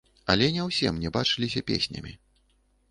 Але не ўсе мне бачыліся песнямі.